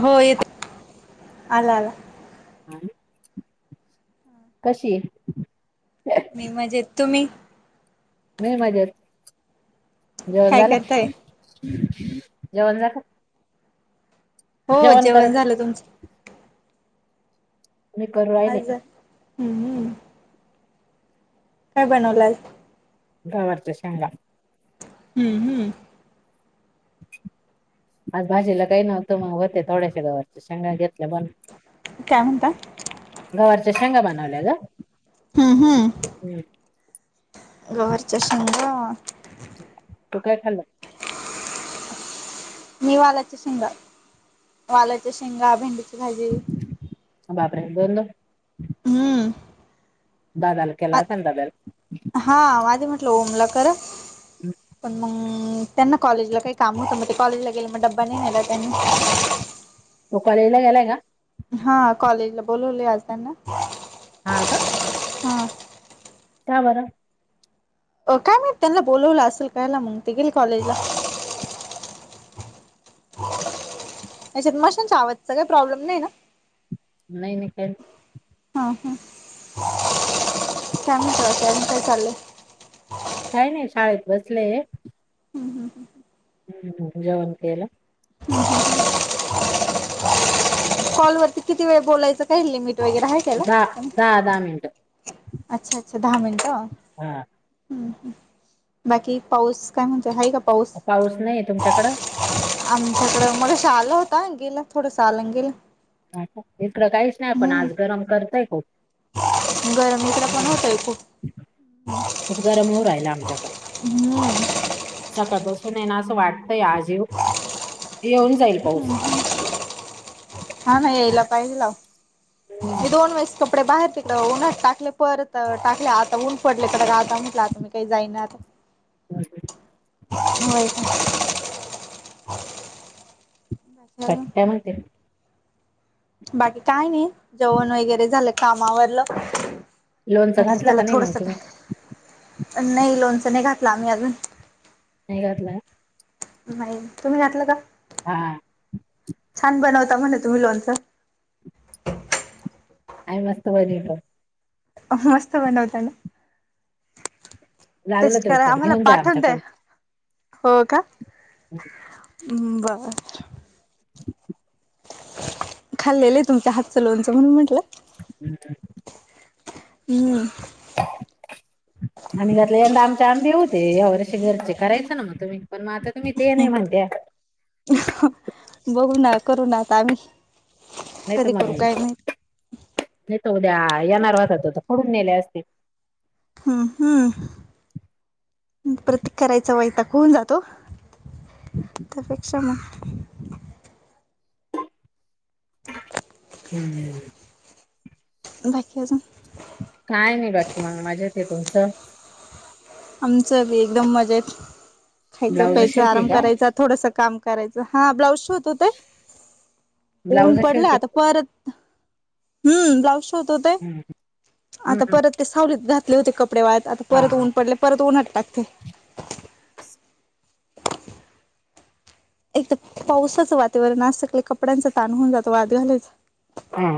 हो येते आला आला कशी हे? मी मजेत तुम्ही? मीही मजेत जेवण काय करताय झालं? जेवण झालं हो जेवण झालं तुमचं मी करू राहिले. हम् हम. काय बनवलाय. गव्हारचा शेंगा हम्म हम्म आज भाजीला काही नव्हतं मग होते थोड्याश गावरीच्या शेंगा घेत काय म्हणता गव्हारचा शेंगा बनवल्या ग हम् हम्म हम्म. गव्हारचा शेंगा. तू का य खाल्ला मी वाल्याच्या शेंगा वाल्याच्या शेंगा भेंडीची भाजी बापरे बोललो हम्मअ दादाल केला त्यां दादल लोमला करा पण म ग त्यांना कॉलेजला काही काम होतं मग ते कॉलेजला गेलं मग ड्बा नाही नेला त्यांनी तो कॉलेजला गेलाय का हाआ कॉलेजला बोलवले आज त्यांना हा का हा का बरं अ काय म्हाईत त्यांना बोलवलं असेल कायला म्हगते गेल कॉलेजला ह्याच्छा त मशिनच्या आवाजाच काही प्रॉब्लेम नाही ना नाही नाही कायं. हम हम [unintelligible] [inaudible] काही नाही शाळेत बसलेए ए हम् ह्म जेवण केल. कॉल वरती किती वेळ बोलायचं काही लिमिट वगैरे हाय काय गं दहा त्याला दहा दहा मिनिटं. अच्छा अच्छा दहा मिनिटं हा. हम. बाकी पाऊस काय म्हणतय ह का पाऊस नाहीये तुमच्याकडं? आमच्याकड मगाशी आलं होत का य गेला थोडं साल न गेलं [unintelligible] इकडें काहीच नाही पण आज गरम करतय खूप गरमइकडं पण हम्म. होतय खूप खूप गरम होतेय ह म्मअअ. सकळ पासून ये ना असं वाटतंय आजीव येऊन जाईल हं पाऊस. हं हा हा ना यायला पाहिेजेवण लाव मी हम्म. दोन वेस क पर बाहेर तिकलं ऊन्हत टाकले परत टाकले आता ऊन पडले तर ग आता म्हटलं आता मी काही जाईणार [inaudible] व्हय काय अजून बाकी काय म्हणते बाकी काय नाही जेवण वगैरे झालं काम आवरलं लोणचं म्हटलं घातलं त्याला का नाही मग थोडस तुम्ही काय नही लोनचं नही घातलं आम्ही अजून नाही घातलं नाही तुम्ही घातलं का? हा हा छान बनवता म्हणे तुम्ही लोणचं [unintelligible] हाय मस्त बरी आहे बाई मस्त बनवता लागलं टेस्ट तर करायला विकत आम्हाला घेऊन जा पाठवून द्या आमच्याकडून हो का बर खाल्लेलं आहे तुमच्या हातचं लोणचं म्हणून म्हंटलं हम् हम् हो आम्ही घातल्या यंदा आमचे आंबे होते या वर्ष घरचे करायचं ना मग तुम्ही पण मग आता तुम्ही ते नाही म्हणत्या [unintelligible] बघू ना करू न आम्ही नाही तर कधी मला करू काय माहित नाही तर उद्या येणार वाटत पुढून नेले असते हम्म हम्म प्रतीक करायचं वयता होऊन जातो त्यापेक्षा मग हम्म [inaudible] काय नाही बाकी मग मजेत आहे तुमचं आमचं बी एकदम मजेत खायचं ब्लाउज प्यायचं शिवते आराम का करायच थोडस काम करायच हा ब्लाउज शिवत होते ऊन ब्लाउज पडले शिवते. आता परत हम्म ब्लाउज शिवत होते हम्म आता हम्म परत ते सावलीत घातले होते कप कपडे वाळत आता हा परत हा. ऊन पडले तो उन्हात टाक ते एक तर पावसाचं वातावरण असत कपड्यांच ताण होऊन जातो वाळत घालायच हा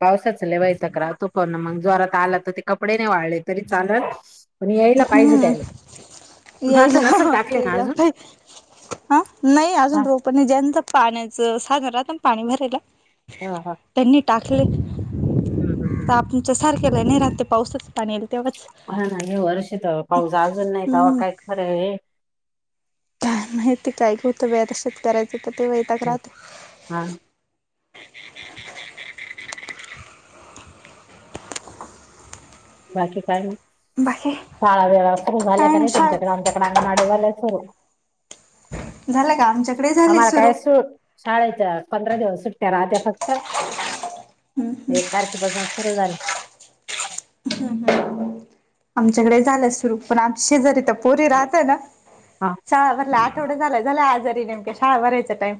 पावसाच लय तक्रार तो मग जोरात नाही आला तर ते कपडे नाही वळले तरी चालत हम्म भात नसेल यायला टाकले ना केला अजून काय हा नाही हा अजून रो [unintelligible] पनी ज्यांच पाण्याचं साधन राहता पाणी भरायला हम हा हम्म हम्म हम्म आपच्या सारखे नाही राहते पावसाच पाणी तेवढच हा नाही हे वर्ष पाऊस अजून नाही तवा हम्म काय खरं काय माहिती काय होतं [unintelligible] शेत करायचं तर ते व्हाैताक राहत हा बाकी काय आणि बाकी शाळा वेळा सुरू झाल्या काय का नाही तुमच्याकडे शाळेत आमच्याकडे अंगणवाड्या झाल्या सुरू [unintelligible] झालं का आमच्याकडे झाली पंधरा सुरू दिवस सुट्ट्या राहत्या फक्त एक तारखेपासून सुरू झाले आमच्याकडे झालंय सुरू पण आमच्या शेजारी तर पोरी राहत ना हा शाळा भरला आठवडा झाल्या झाल्या आजारी नेमक्या शाळा भरायचा टाइम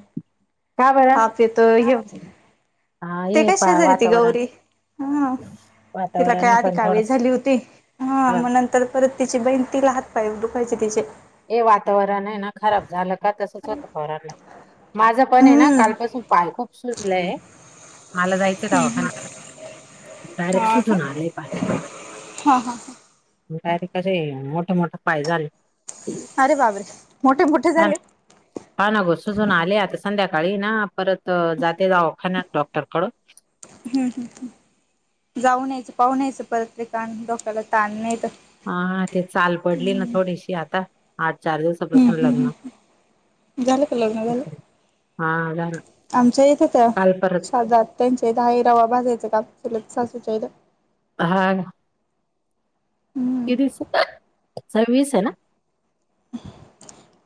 का बरं ताप येतो हे हा ते हे कश पा झाली ती वातावरण गौरी हा तिला वातावरण काय आहे अधिक पण काविळ थोडस झाली होती हा मग नंतर परत तिची बहीण तिला हात पाय दुखायचे तिचे हे वातावरण आहे ना खराब झालं का तसच होतं पोरांना माझं पण आहे ना हम्म कालपासून पाय खूप सुजलंय मला जायचंय दवाखा हम्म हम्म नाही डायरेक्ट हा का सुचून आलेय पा हा हा तर कसे मोठ मोठे पाय झाले अरे बाबरे मोठे मोठे ह झाले हा ना गोसजून आले आता संध्याकाळी ना परत जाते जाऊखाान डॉक्टरकड हम् ह जाऊ न्यायचं पाहून यायचं परत्रकाण डोक्याला ताण नाही तर हाा ते चाल पडली ना थोडीशी आता आठ चार दिवसापासून लग्न झाल क लग ना झालं हा झालं आमच्या इथं त्या काल परत शद त्यांच्या इथ हारवा भाजायच का [inaudible] लत असूचहिदा [inaudible] हा [inaudible] हम्म किती सववीस आहे ना [inaudible]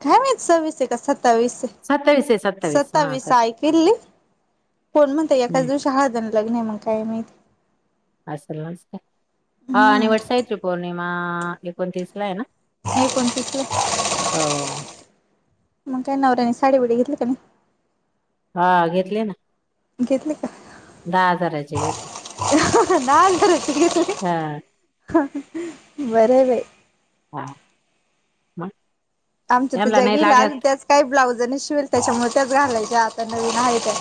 काय माह स विसय क स [inaudible] सत्तावीस सत्तावीस आहे हा सत्तावीस आयकल्ली [inaudible] कोण म्हणता एकाच हम्म दिवशी हळजण लग्न आहे मग काय माहिती [inaudible] असल नमस्कार हा आणि हम्म वट साहित्री पौर्णिमा एकोणतीसला आहे ना [inaudible] हो पणतेचे हो. मग काय नवऱ्यानी साडी बडी घेतली का नाही [inaudible] [inaudible] हा घेतले ना [inaudible] घेतले [inaudible] दहा हजाराची घेतली [inaudible] न बर बाय [inaudible] हा ह [inaudible] आमच्या तर ज्या गेला आणि त्याच काही ब्लाउज नाही शिल त्याच्यामुळे त्या लायच्या आता नवीन आहे त्या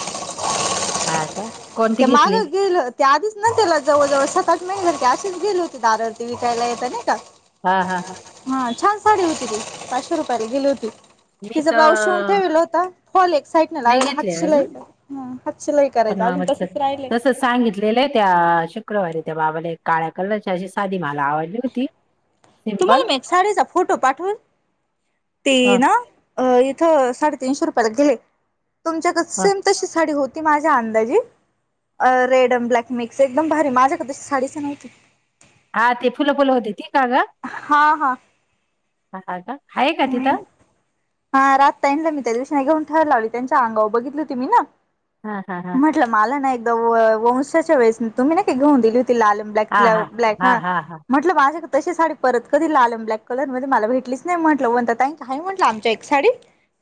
[inaudible] हा का [inaudible] कोणती ते माग घेतली? गेलं त्या आधीच ना त्याला जवळ जवळ सतात नाही झा [inaudible] गेले होते दारावरती विकायला येतं नाही का [inaudible] हा हा हा [inaudible] साडी होती ती पाचशे रुपयाला गेली होती [inaudible] मी तिचा ब्लाऊज शिवून तर ठेलेला होता हॉल एक साईडने नाही लावला हात घेतले अजून शिलाईचा [inaudible] हात शिलाई करायचं अजून [inaudible] तस सांगितलेलं आहे त्या शुक्रवारी त्या बाबाला काळ्या कलरच्या अशी साधी मार [inaudible] तुम्हाला मी शाळेचा फोटो पाठवून [inaudible] हा ना इथ साडे तीनशे रुपयाला गेले तुमच्याक हा. सेम तशी साडी होती [inaudible] ती माझ्या अंदाजी [inaudible] अ रेड अड ब्लॅक मिक्स एकदम भारी माझ्याक नव्हती [inaudible] हा ते फुलं फुलं होते ठी का ग हा हा का आहे का [inaudible] ह तिथं? हा रातता इंलं मित कृष्न ठर लावली त्यांच्या अंगावर बघितलं त मी ना हा हा हा म्हटलं मला ना [inaudible] वंशाच्या वेस तुम्ही ना काकी घेऊन दिली हो [inaudible] लालम ब्लॅक तिला ब्लॅक हा म्हटलं माझ [inaudible] तशी साडी परत कधी लालम ब्लक कलर मध्ये मला भेटलीच नाही म्हटलं वण काय म्हटलं आमच्या एक साडी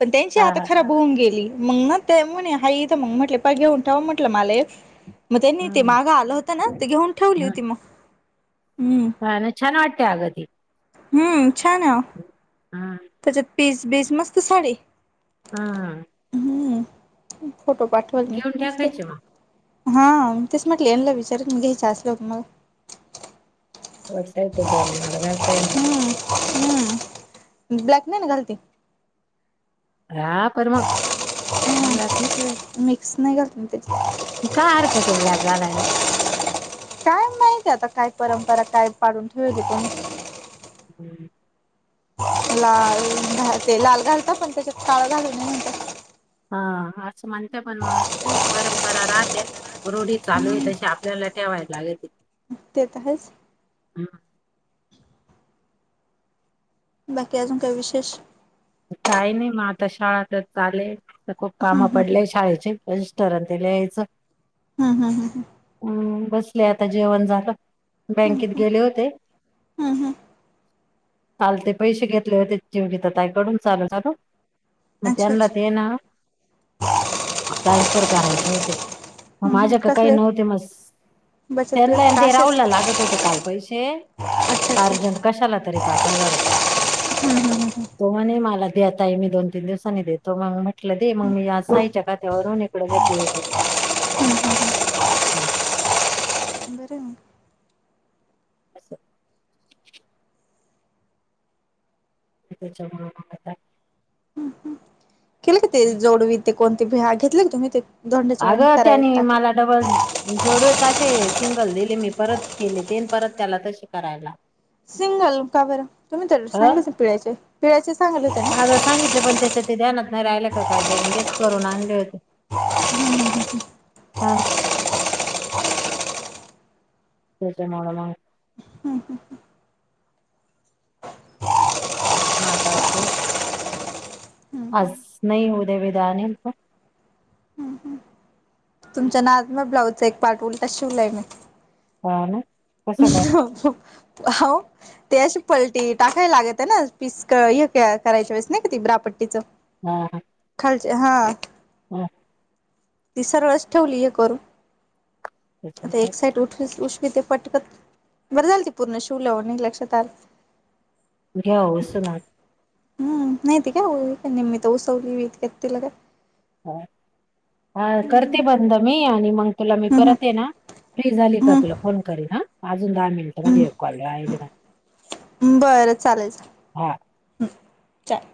[inaudible] पण त्यांची हा आता हा खराब होऊन गेली मग ना ते म्हणे हाथं मग म्हटले प घेऊन ठेवा म्हंटलं मले [inaudible] मग त्यांनी ते हम्म मागं आलं होत ना ते घेऊन ठेवली होती हम्म मग [inaudible] [inaudible] हा छान वाटते आगदीी [inaudible] हम्म छ ना [inaudible] त्याच्यात पीस बीस मस्त साडी [inaudible] हम [inaudible] हम्म फोटो पाठवाल ना नुसते टाकायचे मग. हा तेच म्हटले विचारत म घ्या ह्याच असलंव मग. [inaudible] टता तू फो नाही मला घालता ये ना हम् ब्लॅक नाही ना गलती. रा परर्मा. ब्लॅक नाही मिक्स नाही घालत ना त्याची घालत का हरख ब्लॅक घालायला. [inaudible] काय माहिती आता काय परंपरा काय पाडून ठेवल तची [inaudible] बोल. लाल घालते लाल घालता पण त्याच्यात काळा घालत नाही ना. हा असं म्हणत पण मग काय परंपरा राहते आहे, रोढी चालू आहे, तशी आपल्याला. ठेवाय लागेते. ते त हायच. बाकी अजून काय विशेष. काही नाही मग आता शाळा तर चाले खूप काम हम्म हम्म पडलेय शाळेचे. रजिस्टर अन ते लिहायचं. हा हा ह. हम् बसले आता जेवण झालं हम्म बँकेत गेले होते. हम्म हम्म चालते पैसे घेतले होते जिवग [unintelligible] ताई तयकडून चालू हाय मग अच्छा त्यांना अच्छा ते ना. ट्रान्सफर करायचे होते, मग हम्म हम्म माझ्याक काही कसले नव्हते मस बचत गट त्यांनन का ते असेच राहूला लागत होते, काल पैसे अच्छा अच्छा अर्जंट कशाला तरी. पाच हजार रूपे हम्म हम्म तो म्हने मा चालतंय ताई मी दोन तीन दिवसांनी देतो मग म्हटलं दे मग हम्म मी या साईच्या काात्यावरून इकडं घेतेले. हम् [inaudible] हो. बर आहे मग असं. [unintelligible] केलं का ते जोडवी ते कोणती भ्या घेतले का तुम्ही ते. दोंड्याच्या वहिन्यात अगं कराय त्यानी टाकले मला डबल जोडवेच असे सिंगल दिले मी परत केले ते परत त्याला तसे करायला. सिंगल कबर तुम्ही तर अ सांगितल पिळ्याच्या पिळ्याच्या. अगं सांगितलं पण त्याच्या ते ध्यानात नाही राहिला का काय त्यानी हेच करून आणले होते. हा. [inaudible] [inaudible] ना आज नाही उद्या भिदया [unintelligible] आणिल का तुमच्या ना आत म ब्लाउजचा एक पार्ट उलट शिवलाय मी. हा ना. ह कसं काय [unintelligible] ते अशी पलटी टाकायला लागत आहे, ना पीस हे करायच्या वेळेस नाही कि ते ब्रापट्टीचं. हा हा. हा [unintelligible] हा. तिसर वेस ठेवली हे करू आता त्याच्यामुळे एक साइड उठवी उसवी ते पटकन. बरं झाल ती पूर्ण शिवलंवून लक्षात आल. घेस ना [unintelligible] हं नाहीती कामी उसवली तिला का. हा करते बंद मी आणि मग. तुला मी हम्म परत ये ना फ्री झाली हम्म का तुला फोन करीन ह हम्म हम्म बरं [unintelligible] चार